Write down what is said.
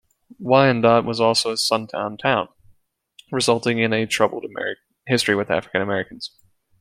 Wyandotte was also a sundown town, resulting in a troubled history with African Americans.